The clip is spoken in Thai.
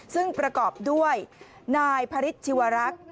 ซึ่งประกอบด้วยนายพระฤทธิวรักษ์